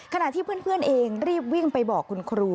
ขณะที่เพื่อนเองรีบวิ่งไปบอกคุณครู